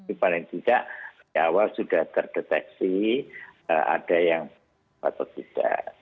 tapi paling tidak di awal sudah terdeteksi ada yang atau tidak